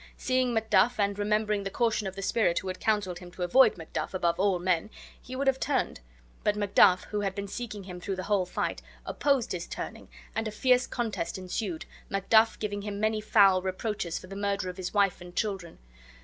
Seeing Macduff, and remembering the caution of the spirit who had counseled him to avoid Macduff, above all men, he would have turned, but Macduff, who had been seeking him through the whole fight, opposed his turning, and a fierce contest ensued, Macduff giving him many foul reproaches for the murder of his wife and children.